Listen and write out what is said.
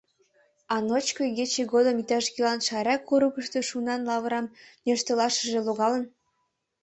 А ночко игече годым иктаж-кӧлан Шайра курыкышто шунан лавырам нӧштылашыже логалын?